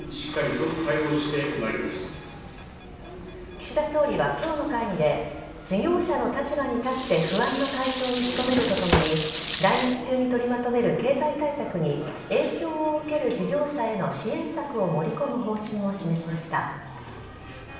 岸田総理は今日の会議で事業者の立場に立って不安の解消に努めるとともに来月中に取りまとめる経済対策に影響を受ける事業者への支援策を盛り込む方針を示しました。